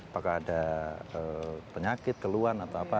apakah ada penyakit keluhan atau apa